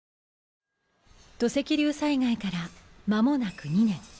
土石流災害から間もなく２年。